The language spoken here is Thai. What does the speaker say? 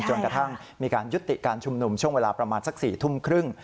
จนกระทั่งมีการยุติการชุมนุมช่วงเวลาประมาณสัก๔ทุ่มครึ่ง